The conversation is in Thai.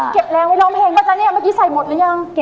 เก็บแล้วไปร้องเพลงหรือจ๊ะเราเมื่อกี้ใส่หมดแล้วยัง